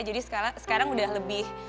jadi sekarang sudah lebih